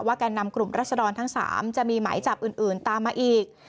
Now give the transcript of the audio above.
แก่นำกลุ่มรัศดรทั้ง๓จะมีหมายจับอื่นตามมาอีก